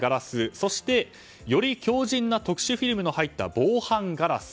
そして、より強じんな特殊フィルムの入った防犯ガラス。